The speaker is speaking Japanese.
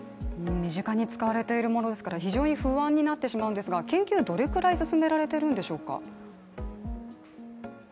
身近に使われているものですから非常に不安になってしまうのですが研究、どれくらい進められてるんでしょうか。